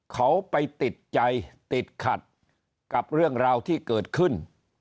เขาไปติดใจติดขัดกับเรื่องราวที่เกิดขึ้น